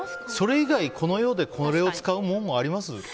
それ以外、この世でこれを使うことあります？